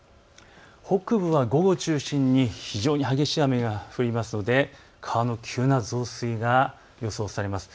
北部は午後を中心に非常に激しい雨が降りますので、川の急な増水が予想されます。